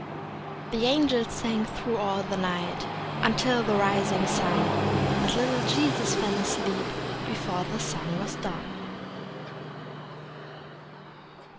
The angels sang thro' all the night Until the rising sun, But little Jesus fell asleep Before the song was done.